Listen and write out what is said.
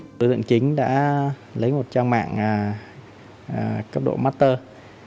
tổ chức tổ chức đã lấy một trang mạng cấp độ master